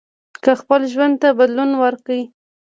که خپل ژوند ته بدلون ورکړئ